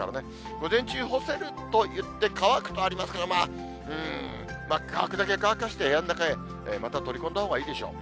午前中、干せるといって、乾くとありますけど、まあ、うーん、乾くだけ乾かして、部屋の中へまた取り込んだほうがいいでしょう。